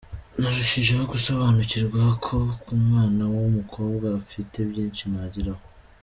Narushijeho gusobanukirwa ko nk’umwana w’umukobwa mfite byinshi nageraho.